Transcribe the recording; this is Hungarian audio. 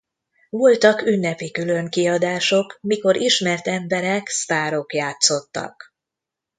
Voltak ünnepi különkiadások mikor ismert emberek sztárok játszottak.